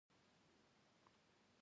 د ماهویه لپاره سوري نژاد لیکلی.